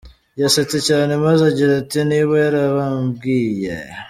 yasetse cyane maze agira ati, Niba yarababwiye.